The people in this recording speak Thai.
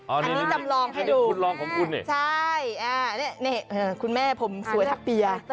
อันนี้จำลองให้ดูใช่นี่คุณแม่ผมสวยทักเบีย